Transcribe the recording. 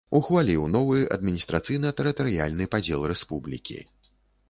Ухваліў новы адміністрацыйна-тэрытарыяльны падзел рэспублікі.